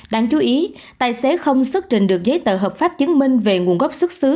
đáng chú ý tài xế không xuất trình được giấy tờ hợp pháp chứng minh về nguồn gốc xuất xứ